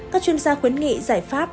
các chuyên gia khuyến nghị giải pháp